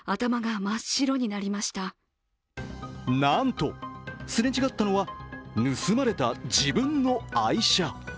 なんと、すれ違ったのは盗まれた自分の愛車。